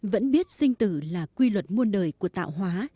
vẫn biết sinh tử là quy luật muôn đời của tạo hóa